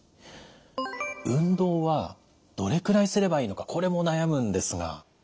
運動はどれくらいすればいいのかこれも悩むんですが。